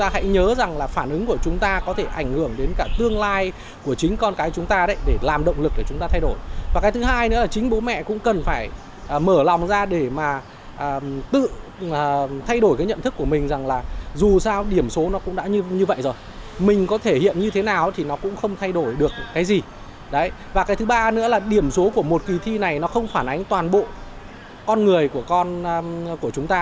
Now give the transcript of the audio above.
kỳ thi này nó không phản ánh toàn bộ con người của chúng ta